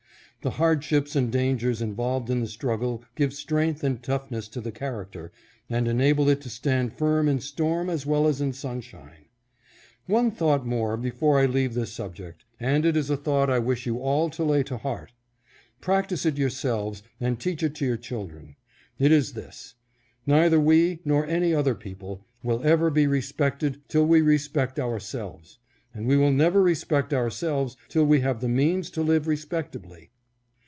The hardships and dangers involved in the struggle give strength and toughness to the character, and enable it to stand firm in storm as well as in sunshine. One thought more before I leave this subject, and it is a thought I wish you all to lay to heart. Practice it yourselves and teach it to your children. It is this: neither we, nor any other people, will ever be respected till we respect ourselves, and we will never respect our selves till we have the means to live respectably.